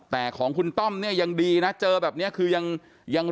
แต่ของคุณต้อมเนี่ยยังดีนะเจอแบบนี้คือยังยัง